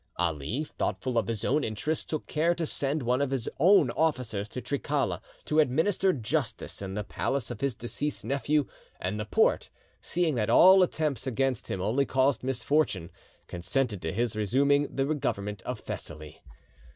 Ali, thoughtful of his own interests, took care to send one of his own officers to Trikala, to administer justice in the place of his deceased nephew, and the Porte, seeing that all attempts against him only caused misfortune, consented to his resuming the government of Thessaly.